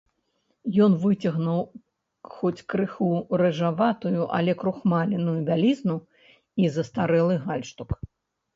Ён выцягнуў хоць крыху рыжаватую, але крухмаленую бялізну і застарэлы гальштук.